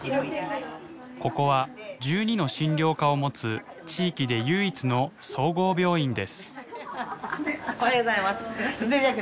ここは１２の診療科を持つ地域で唯一の総合病院です。